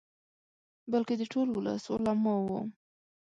بلکې د ټول ولس، علماؤ.